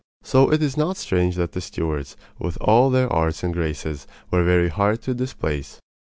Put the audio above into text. So it is not strange that the Stuarts, with all their arts and graces, were very hard to displace.